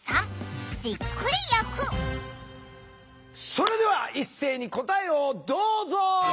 それでは一斉に答えをどうぞ！